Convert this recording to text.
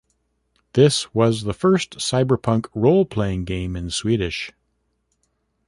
This was the first cyberpunk role-playing game in Swedish.